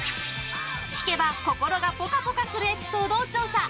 聞けば心がぽかぽかするエピソードを調査！